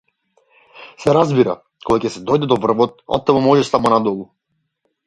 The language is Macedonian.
Се разбира, кога ќе се дојде до врвот, оттаму може само надолу.